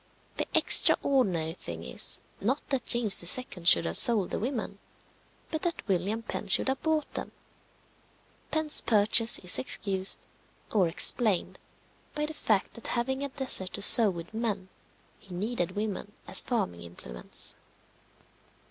The extraordinary thing is, not that James II. should have sold the women, but that William Penn should have bought them. Penn's purchase is excused, or explained, by the fact that having a desert to sow with men, he needed women as farming implements.